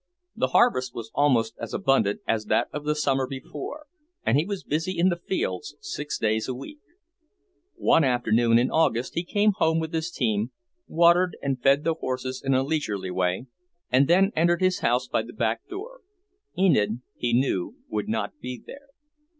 The harvest was almost as abundant as that of the summer before, and he was busy in the fields six days a week. One afternoon in August he came home with his team, watered and fed the horses in a leisurely way, and then entered his house by the back door. Enid, he knew, would not be there.